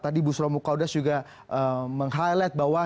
tadi bu suramu kaudas juga meng highlight bahwa